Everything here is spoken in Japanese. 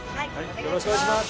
よろしくお願いします。